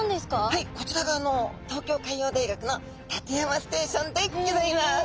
はいこちらが東京海洋大学の館山ステーションでギョざいます。